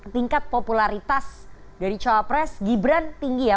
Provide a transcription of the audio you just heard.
tingkat popularitas dari cawapres gibran tinggi ya